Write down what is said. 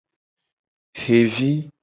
Xevi.